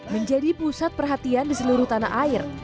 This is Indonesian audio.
menjadi pusat perhatian di seluruh tanah air